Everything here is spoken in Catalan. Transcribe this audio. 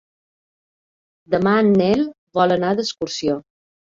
Demà en Nel vol anar d'excursió.